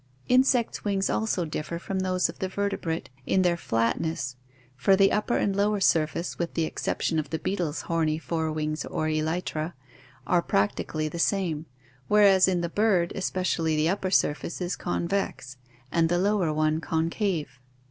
Insects' wings also differ from those of the vertebrate in their flatness, for the upper and lower surface, with the exception of the beetles' horny fore wings or elytra, are practically the same, whereas in the bird especially the upper surface is convex and the lower one concave.